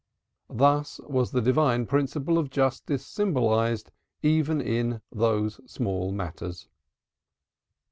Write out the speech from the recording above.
Thus was the divine principle of justice symbolized even in these small matters.